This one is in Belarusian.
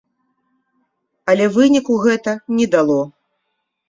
Але выніку гэта не дало.